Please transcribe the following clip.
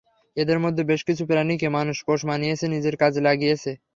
এদের মধ্যে বেশ কিছু প্রাণীকে মানুষ পোষ মানিয়েছে, নিজের কাজে লাগিয়েছে।